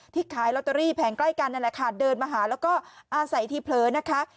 ขายลอตเตอรี่แผงใกล้กันนั่นแหละค่ะเดินมาหาแล้วก็อาศัยที่เผลอนะคะ